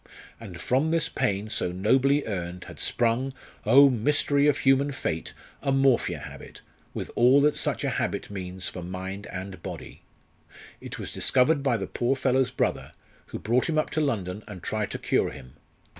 And from this pain, so nobly earned, had sprung oh! mystery of human fate! a morphia habit, with all that such a habit means for mind and body. It was discovered by the poor fellow's brother, who brought him up to London and tried to cure him.